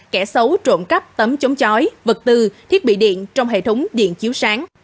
kẻ xấu trộm cắp tấm chống chói vật tư thiết bị điện trong hệ thống điện chiếu sáng